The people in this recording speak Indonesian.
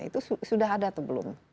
itu sudah ada atau belum